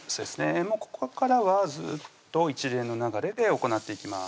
ここからはずっと一連の流れで行っていきます